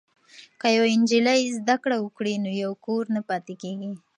که یوه نجلۍ زده کړه وکړي نو یو کور نه پاتې کیږي.